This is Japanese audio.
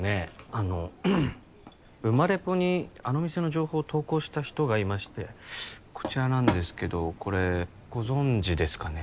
あのウマレポにあの店の情報を投稿した人がいましてこちらなんですけどこれご存じですかね？